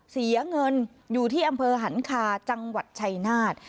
เสียเงินอยู่ที่อำเภอหันคาจังหวัดชัยนาธ